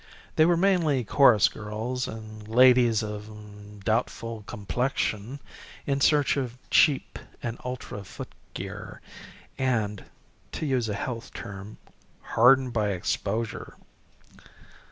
They were mainly chorus girls and ladies of doubtful complexion in search of cheap and ultra footgear, and to use a health term hardened by exposure.